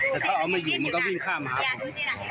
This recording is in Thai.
แต่เขาเอามาอยู่มันก็วิ่งข้ามมาหาผม